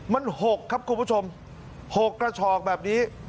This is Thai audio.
มัน๖ครับคุณผู้ชม๖กระฉอกแบบนี้